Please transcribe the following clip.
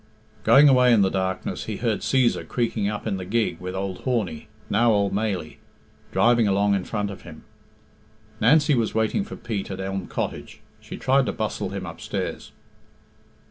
Going away in the darkness, he heard Cæsar creaking up in the gig with old Horney, now old Mailie, diving along in front of him. Nancy was waiting for Pete at Elm Cottage. She tried to bustle him upstairs.